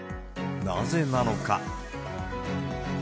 なぜなのか。